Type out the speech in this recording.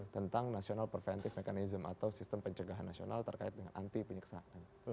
tentang national preventive mechanism atau sistem pencegahan nasional terkait dengan anti penyiksaan